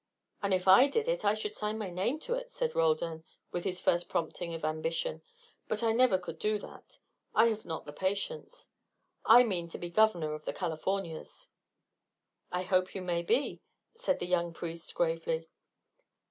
"If I did it, I should sign my name to it," said Roldan, with his first prompting of ambition. "But I never could do that; I have not the patience. I mean to be governor of the Californias." "I hope you may be," said the young priest, gravely.